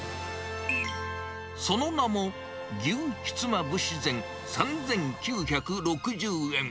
その名も、牛ひつまぶし膳３９６０円。